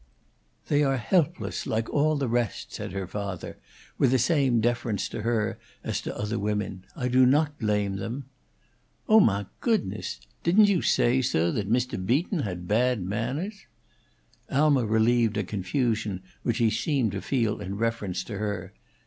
"They are helpless, like all the rest," said her father, with the same deference to her as to other women. "I do not blame them." "Oh, mah goodness! Didn't you say, sir, that Mr. Beaton had bad manners?" Alma relieved a confusion which he seemed to feel in reference to her.